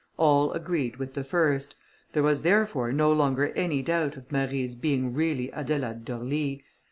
All agreed with the first. There was, therefore, no longer any doubt of Marie's being really Adelaide d'Orly.